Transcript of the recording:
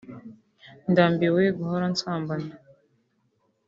ndambiwe guhora nsambana